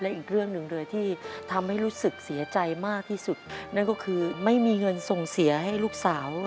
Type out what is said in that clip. อีกเรื่องหนึ่งเลยที่ทำให้รู้สึกเสียใจมากที่สุดนั่นก็คือไม่มีเงินส่งเสียให้ลูกสาว